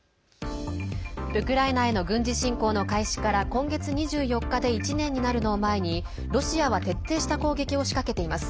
ウクライナへの軍事侵攻の開始から今月２４日で１年になるのを前にロシアは徹底した攻撃を仕掛けています。